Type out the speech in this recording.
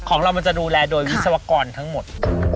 ของเรามันจะดูแลโดยวิศวกรทั้งหมด